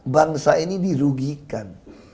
bangsa ini dirugikan